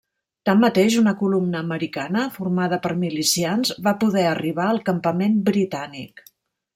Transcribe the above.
Tanmateix, una columna americana, formada per milicians, va poder arribar al campament britànic.